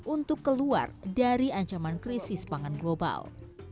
untuk keluar dari ancaman krisis pangan global